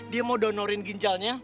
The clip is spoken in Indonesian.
dia mau donorin ginjalnya